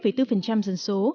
chiếm năm bốn phần trăm dân số